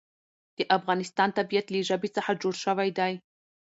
د افغانستان طبیعت له ژبې څخه جوړ شوی دی.